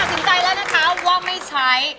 เอาล่ะไม่ตัดสินใจแล้วนะคะวองไม่ใช้